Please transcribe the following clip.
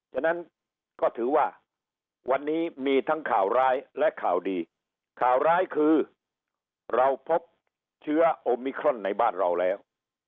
ฉะนั้นก็ถือว่าวันนี้มีทั้งข่าวร้ายและข่าวดีข่าวร้ายคือเราพบเชื้อโอมิครอนในบ้านเราแล้ว